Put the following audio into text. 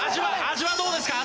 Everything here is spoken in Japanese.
味はどうですか？